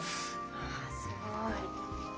わすごい。